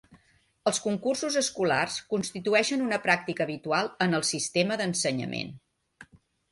Els concursos escolars constitueixen una pràctica habitual en el sistema d'ensenyament.